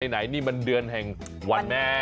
ไหนนี่มันเดือนแห่งวันแม่